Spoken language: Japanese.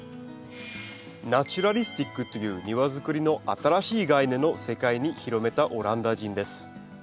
ナチュラリスティックという庭づくりの新しい概念を世界に広めたオランダ人です。